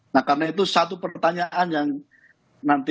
nah karena itu satu pertanyaan yang nanti